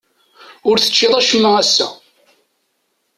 Ur teččiḍ acemma ass-a.